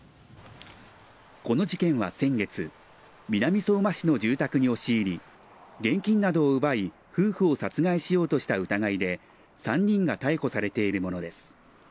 この事件は先月南相馬市の住宅に押し入り現金などを奪い夫婦を殺害しようとした疑いで３人が逮捕されているものです。